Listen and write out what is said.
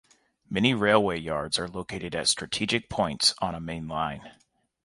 Many railway yards are located at strategic points on a main line.